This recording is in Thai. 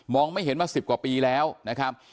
ไม่เห็นมา๑๐กว่าปีแล้วนะครับ